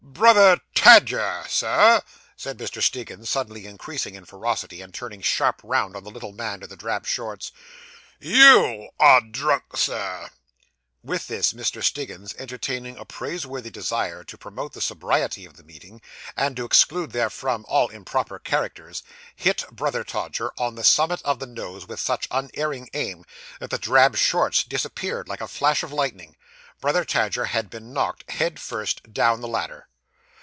Brother Tadger, sir!' said Mr. Stiggins, suddenly increasing in ferocity, and turning sharp round on the little man in the drab shorts, '_you _are drunk, sir!' With this, Mr. Stiggins, entertaining a praiseworthy desire to promote the sobriety of the meeting, and to exclude therefrom all improper characters, hit Brother Tadger on the summit of the nose with such unerring aim, that the drab shorts disappeared like a flash of lightning. Brother Tadger had been knocked, head first, down the ladder.